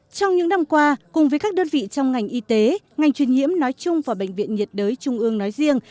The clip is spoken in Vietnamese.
trong những năm qua cùng với các đơn vị trong ngành y tế ngành truyền nhiễm nói chung và bệnh viện nhiệt đới trung ương nói riêng